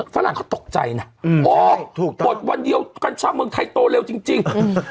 ฝรั่งเขาตกใจนะโอ้ถูกปลดวันเดียวกัญชาเมืองไทยโตเร็วจริง